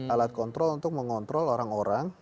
alat kontrol untuk mengontrol orang orang